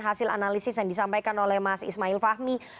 hasil analisis yang disampaikan oleh mas ismail fahmi